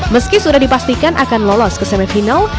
meski sudah dipastikan akan lolos ke semifinal